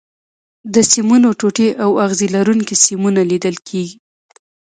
د سیمونو ټوټې او اغزي لرونکي سیمونه لیدل کېږي.